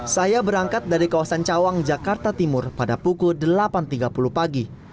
saya berangkat dari kawasan cawang jakarta timur pada pukul delapan tiga puluh pagi